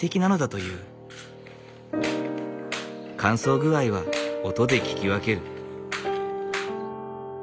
乾燥具合は音で聞き分ける。